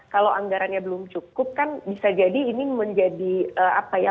kalau anggarannya belum cukup kan bisa jadi ini menjadi apa ya